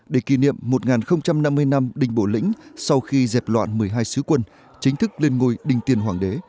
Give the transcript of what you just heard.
để kỷ niệm một nghìn năm mươi năm đình bổ lĩnh sau khi dẹp loạn một mươi hai sứ quân chính thức lên ngôi đình tiên hoàng đế